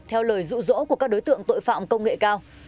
theo lời dụ dỗ của các đối tượng tội phạm công nghệ cao